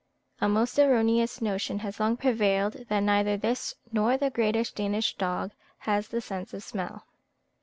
A most erroneous notion has long prevailed that neither this nor the great Danish dog has the sense of smell.